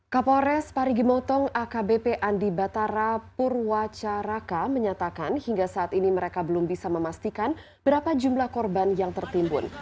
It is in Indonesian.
kapolres parigi motong akbp andi batara purwacaraka menyatakan hingga saat ini mereka belum bisa memastikan berapa jumlah korban yang tertimbun